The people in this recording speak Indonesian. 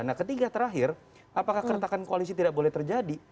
nah ketiga terakhir apakah keretakan koalisi tidak boleh terjadi